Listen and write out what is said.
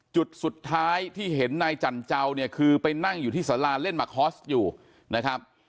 จุดสุดท้ายที่เห็นนายจันเจ้าเนี่ยคือไปนั่งอยู่ที่สาราเล่นมาคอสอยู่นะครับ